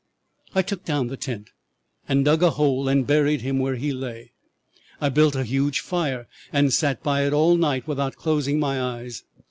"'I took down the tent and dug a hole and buried him where he lay. I built a huge fire and sat by it all night without closing my eyes.